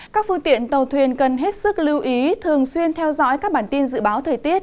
các phương tiện tàu thuyền cần hết sức lưu ý thường xuyên theo dõi các bản tin dự báo thời tiết